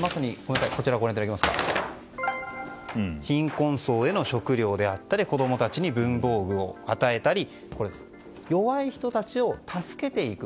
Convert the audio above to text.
まさに貧困層への食料であったり子供たちに文房具を与えたり弱い人たちを助けていく。